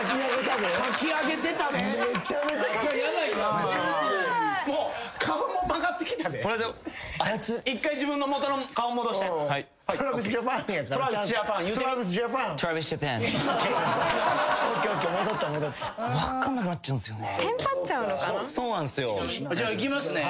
じゃあいきますね。